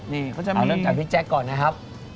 นี่เขาจะมาเริ่มจากพี่แจ๊คก่อนนะครับ